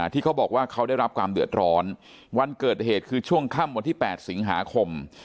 ที่เขาบอกว่าเขาได้รับความเดือดร้อนวันเกิดเหตุคือช่วงค่ำวันที่๘สิงหาคม